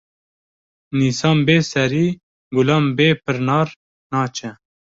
Nîsan bê serî, gulan bê pirnar naçe